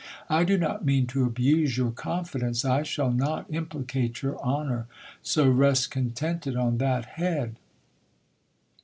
I do not mean to abuse your confidence. I shall not implicate your honour ; so rest contented on that head.